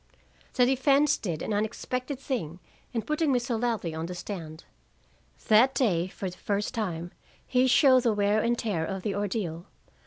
The defense did an unexpected thing in putting Mr. Ladley on the stand. That day, for the first time, he showed the wear and tear of the ordeal.